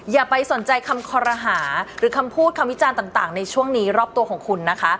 อย่าไปสนใจคำคอรหาหรือคำพูดคำวิจารณ์ต่างในช่วงนี้รอบตัวของคุณนะคะ